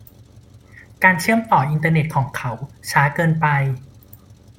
การเชื่อมต่ออินเทอร์เน็ตของเขาช้าเกินไป